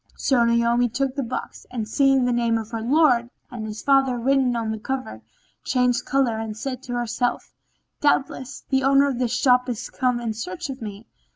So Naomi took the box and, seeing the names of her lord and his father written on the cover, changed colour and said to herself, "Doubtless, the owner of this shop is come in search of me."